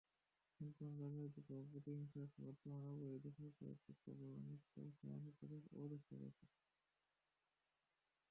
সম্পূর্ণ রাজনৈতিক প্রতিহিংসায় বর্তমান অবৈধ সরকার কবরটি অন্যত্র সরানোর অপচেষ্টা করছে।